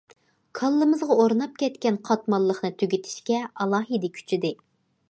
كاللىمىزغا ئورناپ كەتكەن قاتماللىقنى تۈگىتىشكە ئالاھىدە كۈچىدى.